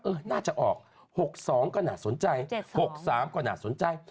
เออน่าจะออกหกสองก็น่าสนใจเจ็ดสองหกสามก็น่าสนใจ